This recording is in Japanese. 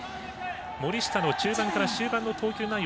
森下の中盤から終盤の投球内容